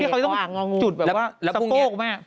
ที่เขาต้องจุดแบบว่าสโปรกไหม